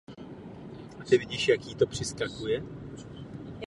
Změna klimatu je na kodaňské konferenci celosvětovou politickou prioritou.